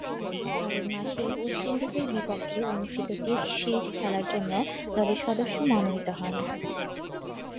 পরের মাসেই ওয়েস্ট ইন্ডিজের বিপক্ষে অনুষ্ঠিত টেস্ট সিরিজ খেলার জন্য দলের সদস্য মনোনীত হন।